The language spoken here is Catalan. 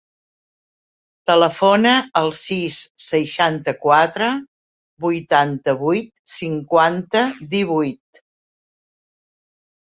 Telefona al sis, seixanta-quatre, vuitanta-vuit, cinquanta, divuit.